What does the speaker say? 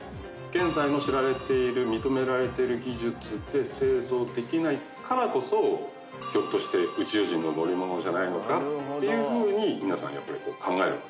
現在の知られている認められている技術で製造できないからこそひょっとして宇宙人の乗り物じゃないのかっていうふうに皆さん考えるわけですね。